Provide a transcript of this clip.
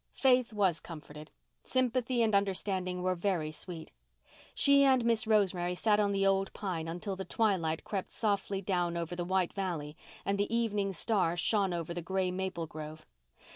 Faith was comforted. Sympathy and understanding were very sweet. She and Miss Rosemary sat on the old pine until the twilight crept softly down over the white valley and the evening star shone over the gray maple grove.